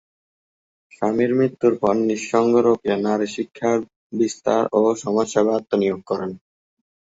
স্বামীর মৃত্যুর পর নিঃসঙ্গ রোকেয়া নারীশিক্ষা বিস্তার ও সমাজসেবায় আত্মনিয়োগ করেন।